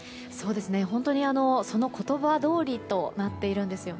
本当にその言葉どおりとなっているんです。